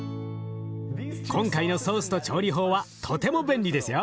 今回のソースと調理法はとても便利ですよ。